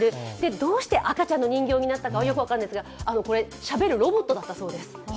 どうして赤ちゃんの人形になったかはよく分からないんですがしゃべるロボットだったそうです。